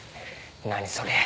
何それ。